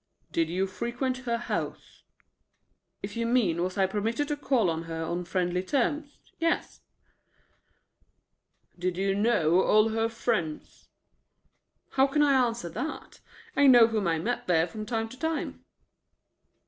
"Did you frequent her house?" "If you mean, was I permitted to call on her on friendly terms, yes." "Did you know all her friends?" "How can I answer that? I know whom I met there from time to time."